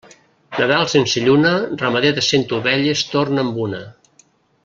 Nadal sense lluna, ramader de cent ovelles torna amb una.